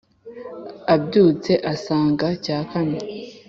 abyutse asanga cyakamye.